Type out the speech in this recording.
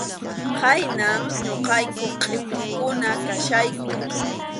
Khaynam ñuqayku qʼipiqkuna kachkayku.